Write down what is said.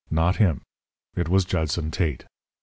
Not him. It was Judson Tate.